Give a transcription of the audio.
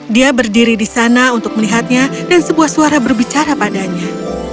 dia berdiri di sana untuk melihatnya dan sebuah suara berbicara padanya